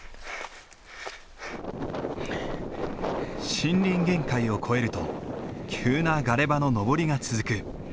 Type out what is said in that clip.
森林限界を越えると急なガレ場の登りが続く。